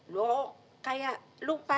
loh kayak lupa